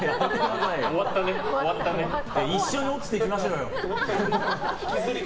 一緒に落ちていきましょうよ。